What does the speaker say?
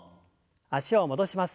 脚を戻します。